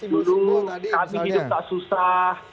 dulu kami hidup tak susah